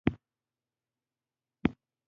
غول د التهاب نښه ده.